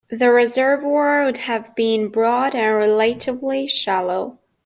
The reservoir would have been broad and relatively shallow.